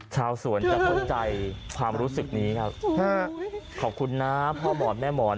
ชาวสวนจะเข้าใจความรู้สึกนี้ครับขอบคุณนะพ่อหมอนแม่หมอน